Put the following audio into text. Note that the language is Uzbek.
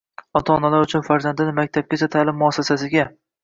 Ota-onalar uchun farzandini maktabgacha ta’lim muassasasiga